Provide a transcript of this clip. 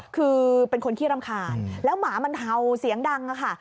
คือเป็นคนขี้รำคาญแล้วหมามันเห่าเสียงดังค่ะ